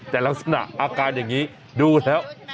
แต่ลักษณะอาการอย่างนี้ดูแล้ว